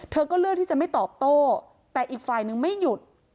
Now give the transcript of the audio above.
ก็เลือกที่จะไม่ตอบโต้แต่อีกฝ่ายนึงไม่หยุด